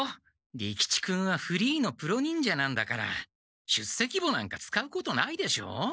利吉君はフリーのプロ忍者なんだから出席簿なんか使うことないでしょ？